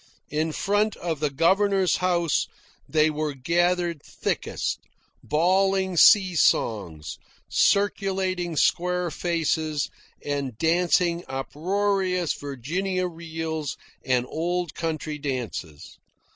In front of the governor's house they were gathered thickest, bawling sea songs, circulating square faces, and dancing uproarious Virginia reels and old country dances.